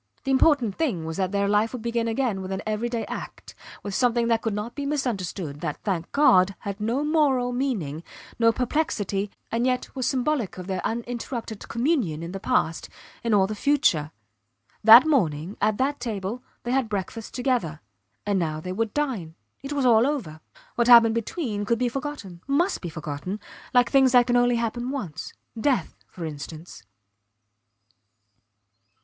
The important thing was that their life would begin again with an every day act with something that could not be misunderstood, that, thank God, had no moral meaning, no perplexity and yet was symbolic of their uninterrupted communion in the past in all the future. That morning, at that table, they had breakfast together; and now they would dine. It was all over! What had happened between could be forgotten must be forgotten, like things that can only happen once death for instance.